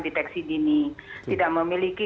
di teksi dini tidak memiliki